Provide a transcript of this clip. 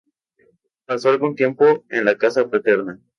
Pasó algún tiempo en la casa paterna.